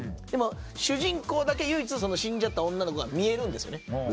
でも主人公だけ唯一死んじゃった女の子が見えるんですよね。